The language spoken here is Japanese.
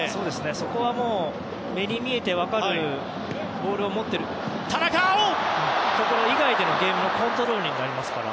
そこはもう目に見えて分かるボールを持っているところ以外でのゲームコントロールになりますから